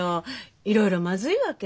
いろいろまずいわけ。